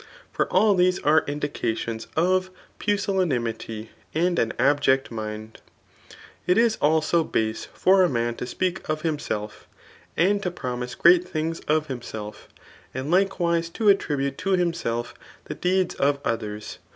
For all these are indications of pusillaanmty and an abject mind. It is also base for a man to sped^ of himself, and to promise [great ihisgs of hmisri#;Jaiid likewise to attribute to himself the deeds of others ; fok* GWiMP.